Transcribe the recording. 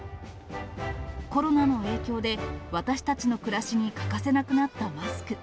コロナの影響で、私たちの暮らしに欠かせなくなったマスク。